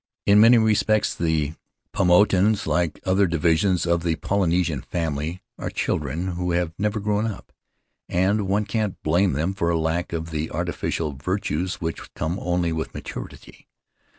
In many respects the Paumotuans, like other divisions of the Polynesian family, are children who have never grown up, and one can't blame them for a lack of the artificial virtues which come only with maturity.